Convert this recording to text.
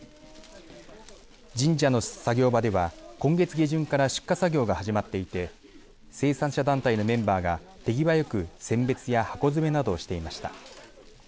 神社の作業場では今月下旬から出荷作業が始まっていて生産者団体のメンバーが手際よく選別や箱詰めなどをしていました。